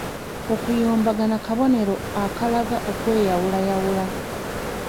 Okuyombagana kabonero akalaga okweyawulayawula.